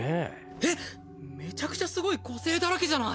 めちゃくちゃ凄い個性だらけじゃない！？